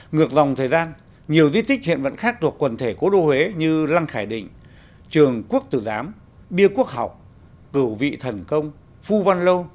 ngược dòng thời gian nhiều di tích hiện vật khác thuộc quần thể cố đô huế như lăng khải định trường quốc tử giám bia quốc học cử vị thần công phu văn lâu